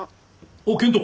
おっ健人。